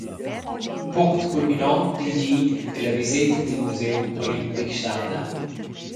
Punct culminont dil di ei la viseta dil museum olimpic stada.